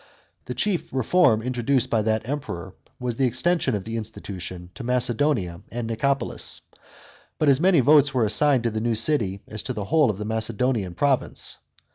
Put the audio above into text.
The chief reform introduced by that Emperor was the extension of the institution to Macedonia and Nicopolis ; but as many votes were assigned to the new city as to the whole of the Macedonian province.